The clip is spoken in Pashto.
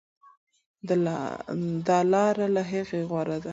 دا لاره له هغې غوره ده.